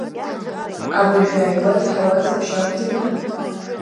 Абыржәы ааигәа иаҳауаз абжьы акәӡами?